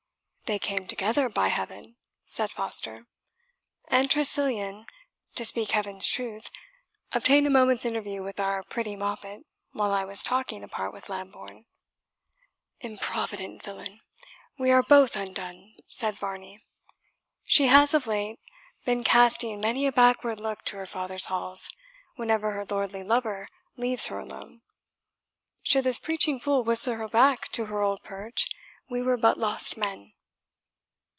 "They came together, by Heaven!" said Foster; "and Tressilian to speak Heaven's truth obtained a moment's interview with our pretty moppet, while I was talking apart with Lambourne." "Improvident villain! we are both undone," said Varney. "She has of late been casting many a backward look to her father's halls, whenever her lordly lover leaves her alone. Should this preaching fool whistle her back to her old perch, we were but lost men."